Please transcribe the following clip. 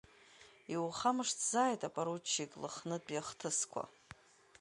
Иухамышҭызааит, апоручик, лыхнытәи ахҭысқәа.